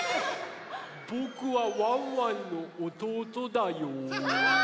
ぼくはワンワンのおとうとだよ。